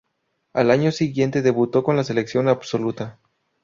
Al año siguiente debutó con la selección absoluta.